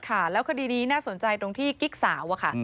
ค่ะแล้วคดีนี้น่าสนใจตรงที่กิ๊กสาวอะค่ะ